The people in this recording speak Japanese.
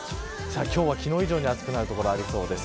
今日は昨日以上に暑くなる所がありそうです。